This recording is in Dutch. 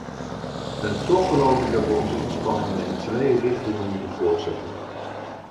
En toch geloof ik dat we onze inspanningen in twee richtingen moeten voortzetten.